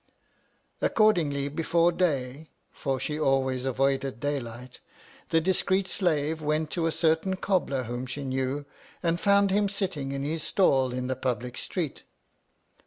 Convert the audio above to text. Accordingly, before day — for she always avoided daylight — the discreet slave went to a certain cobbler whom she knew, and found him sitting in his stall in the public street.